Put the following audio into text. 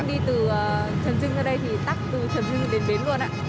đi từ trần dưng ra đây thì tắt từ trần dưng đến bến luôn ạ